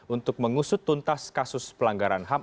untuk mengusut tuntas kasus pelanggaran ham